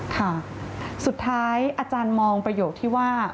ค่ะสุดท้ายอาจารย์มองประโยคที่ว่า